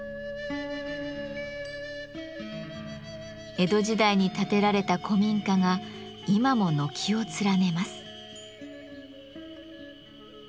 江戸時代に建てられた古民家が今も軒を連ねます。